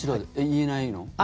言えないの？